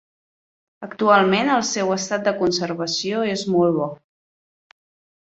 Actualment el seu estat de conservació és molt bo.